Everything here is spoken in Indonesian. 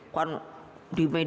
kan di media